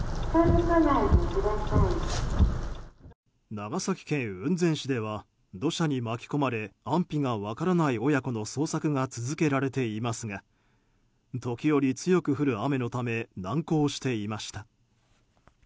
長崎県雲仙市では土砂に巻き込まれ安否が分からない親子の捜索が続けられていますが時折強く降る雨のため難航していました。